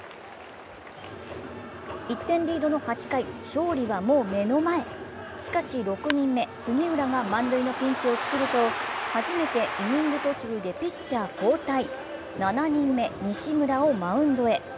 １点リードの８回、勝利はもう目の前しかし、６人目・杉浦が満塁のピンチを作ると初めてイニング途中でピッチャー交代、７人目・西村をマウンドへ。